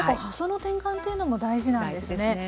発想の転換というのも大事なんですね。